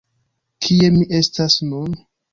Kie mi estas nun?